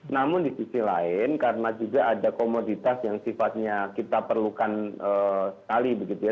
namun di sisi lain karena juga ada komoditas yang sifatnya kita perlukan sekali begitu ya